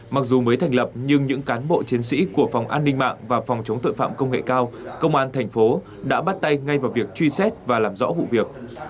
mặc dù mới thành lập nhưng những cán bộ chiến sĩ của phòng an ninh mạng và phòng chống tội phạm công nghệ cao công an thành phố đã bắt tay ngay vào việc truy xét và làm rõ vụ việc